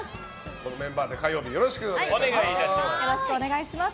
このメンバーで火曜日よろしくお願いします。